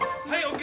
はい。